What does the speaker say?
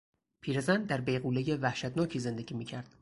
پیرزن در بیغولهی وحشتناکی زندگی میکرد.